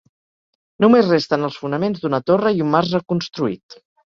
Només resten els fonaments d'una torre i un mas reconstruït.